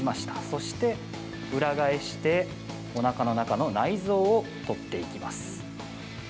そして裏返して、おなかの中の内臓を取っていきます。